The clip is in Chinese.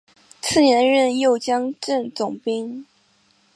次年任右江镇总兵。